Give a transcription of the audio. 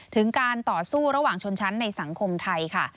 ถึงการต่อสู้ระหว่างชนชั้นในสังคมไทยค่ะ